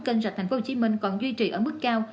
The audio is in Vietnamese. kênh rạch tp hcm còn duy trì ở mức cao